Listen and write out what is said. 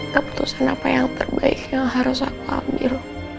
keputusan apa yang terbaik yang harus aku ambil